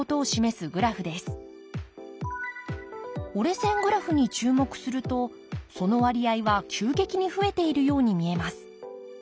折れ線グラフに注目するとその割合は急激に増えているように見えます。